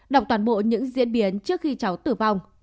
động toàn bộ những diễn biến trước khi cháu tử vong